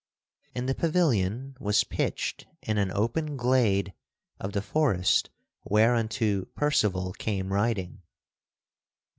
And the pavilion was pitched in an open glade of the forest whereunto Percival came riding.